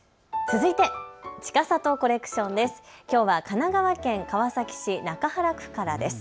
続いてちかさとコレクションです。